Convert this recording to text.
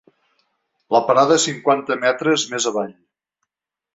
La parada és cinquanta metres més avall.